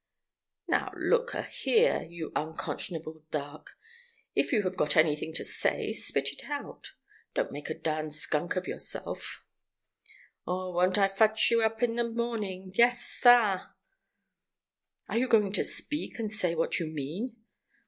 "Now, look a here, you unconscionable dark; if you have got any thing to say, spit it out. Don't make a darn skunk of yourself." "Oh! won't I fotch ye up in de morning? Yes, sah!" "Are you going to speak, and say what you mean?"